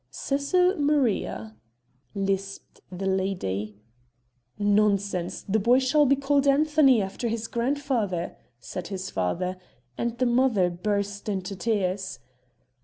"Cecil Maria," lisped the lady. "Nonsense! The boy shall be called Anthony after his grandfather," said his father, and the mother burst into tears.